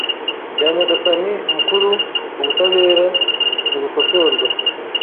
Bya Nyagasani mukuru Ubutabera ntibukosorwa